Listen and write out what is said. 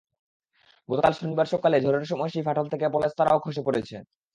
গতকাল শনিবার সকালে ঝড়ের সময় সেই ফাটল থেকে পলেস্তারাও খসে পড়েছে।